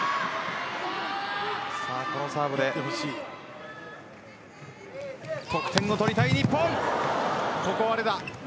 このサーブで得点を取りたい日本。